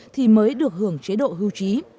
thì mới được hưởng chế độ hưu trí